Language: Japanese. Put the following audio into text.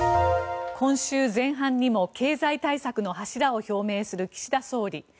今週前半にも経済対策の柱を表明する岸田総理。